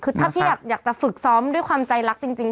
คือถ้าพี่อยากจะฝึกซ้อมด้วยความใจรักจริง